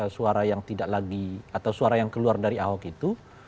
suara yang tidak lagi atau suara yang keluar dari ahok itu